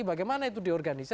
bagaimana itu diorganisasi